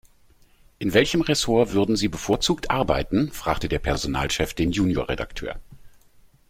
In welchem Ressort würden Sie bevorzugt arbeiten?, fragte der Personalchef den Junior-Redakteur.